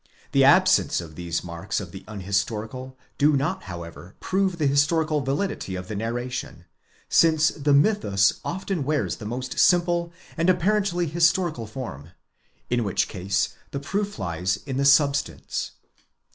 The absence of these marks of the unhistorical do not however prove the historical validity of the narration, since the mythus often wears the most simple and apparently historical form: in which case the proof lies in the substance.